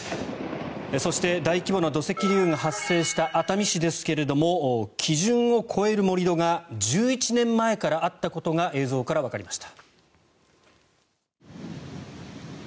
そして、大規模な土石流が発生した熱海市ですが基準を超える盛り土が１１年前からあったことが映像からわかりました。